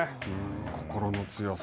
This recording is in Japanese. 心の強さ。